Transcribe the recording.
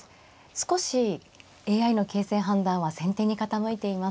少しＡＩの形勢判断は先手に傾いています。